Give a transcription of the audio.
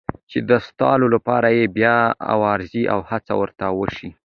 چې د ساتلو لپاره یې بیا وارزي او هڅه ورته وشي.